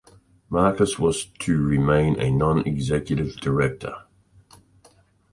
Marcus was to remain a non-executive director.